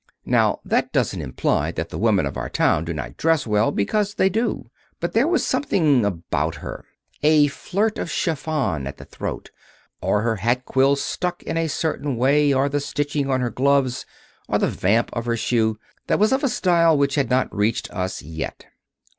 Now, that doesn't imply that the women of our town do not dress well, because they do. But there was something about her a flirt of chiffon at the throat, or her hat quill stuck in a certain way, or the stitching on her gloves, or the vamp of her shoe that was of a style which had not reached us yet.